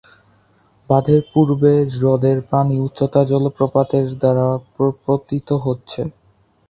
বাঁধের পূর্বে, হ্রদের পানি উচ্চতার জলপ্রপাতের দ্বারা পতিত হচ্ছে।